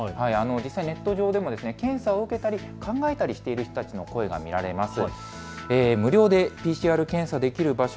実際ネット上でも検査を受けたり考えたりしている人の声が見られます。